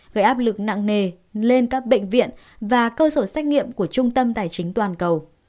gây áp lực nặng nề lên các bệnh viện và cơ sở xét nghiệm của trung tâm tài chính toàn cầu